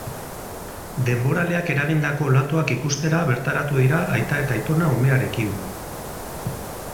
Denboraleak eragindako olatuak ikustera bertaratu dira aita eta aitona umearekin.